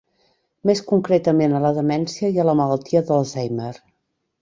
Més concretament a la demència i a la Malaltia d'Alzheimer.